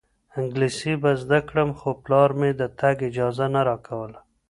انګلیسي به زده کړم خو پلار مې د تګ اجازه نه راکوله.